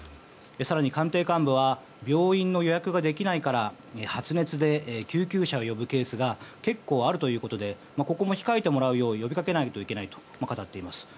更に、官邸幹部は病院の予約ができないから発熱で、救急車を呼ぶケースが結構あるということでここも控えてもらうよう呼びかけないといけないと語っています。